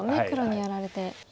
黒にやられて。